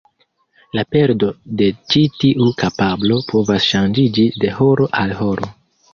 La perdo de ĉi tiu kapablo povas ŝanĝiĝi de horo al horo.